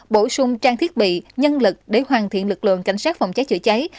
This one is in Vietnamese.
bổ sung trang thiết bị nhân lực để hoàn thiện lực lượng cảnh sát phòng cháy chữa cháy